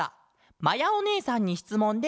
「まやおねえさんにしつもんです。